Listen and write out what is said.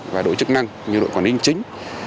và đội chức năng như đội quản linh chính